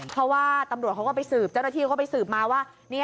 เพราะว่าตำรวจเขาก็ไปสืบเจ้าหน้าที่เขาไปสืบมาว่า